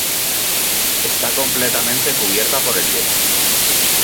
Está completamente cubierta por el hielo.